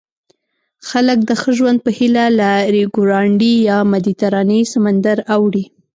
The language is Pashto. خلک د ښه ژوند په هیله له ریوګرانډي یا مدیترانې سمندر اوړي.